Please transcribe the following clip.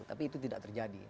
tapi itu tidak terjadi